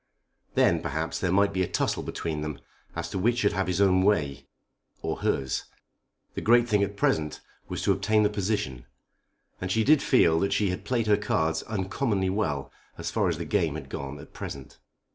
Then, perhaps, there might be a tussle between them as to which should have his own way, or hers. The great thing at present was to obtain the position, and she did feel that she had played her cards uncommonly well as far as the game had gone at present.